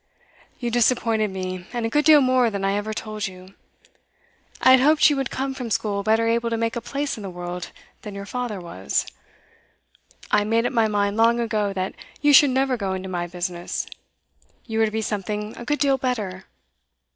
You disappointed me, and a good deal more than I ever told you. I had hoped you would come from school better able to make a place in the world than your father was. I made up my mind long ago that you should never go into my business; you were to be something a good deal better.